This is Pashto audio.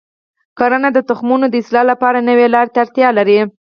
کرنه د تخمونو د اصلاح لپاره نوي لارې ته اړتیا لري.